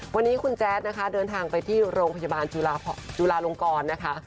วันนี้คุณแจ๊ดนะคะเดินทางไปที่โรงพยาบาลจุฬาลงกรนะคะ